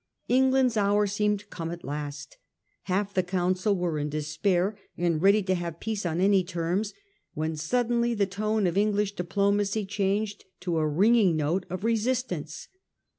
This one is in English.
England's hour seemed come at last Half the Council were in despair, and ready to have peace on any terms, when suddenly the tone of English diplomacy changed to a ringing note of resistance.